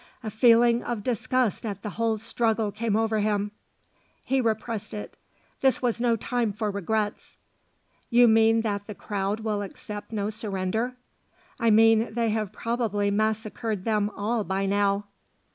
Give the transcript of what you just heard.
A feeling of disgust at the whole struggle came over him; he repressed it; this was no time for regrets. "You mean that the crowd will accept no surrender?" "I mean they have probably massacred them all by now."